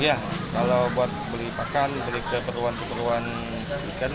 iya kalau buat beli pakan beli keperluan keperluan ikan